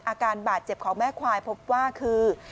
อาการบาดเจ็บของแม่ควายพบว่าคือ